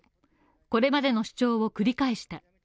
これまでの主張を繰り返した。